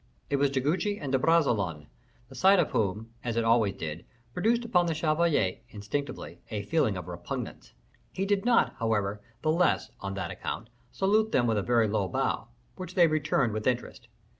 It was De Guiche and De Bragelonne, the sight of whom, as it always did, produced upon the chevalier, instinctively, a feeling of repugnance. He did not, however, the less, on that account, salute them with a very low bow, which they returned with interest.